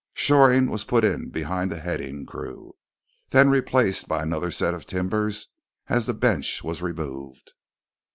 Shoring was put in behind the heading crew, then replaced by another set of timbers as the bench was removed.